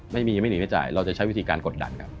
ไม่มีไม่หนีไม่จ่ายเราจะใช้วิธีการกดดันครับ